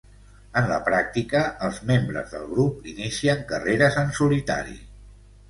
En la pràctica, els membres del grup inicien carreres en solitari.